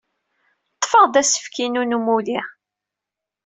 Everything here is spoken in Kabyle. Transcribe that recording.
Ḍḍfeɣ-d asefk-inu n umulli.